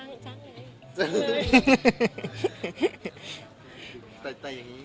น้ำจมปูง